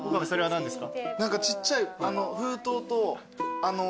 何ですか？